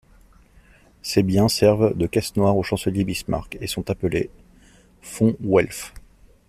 Ces biens servent de caisse noire au chancelier Bismarck et sont appelés fonds Welf.